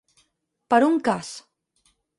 Per un cas.